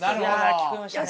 聞こえましたね。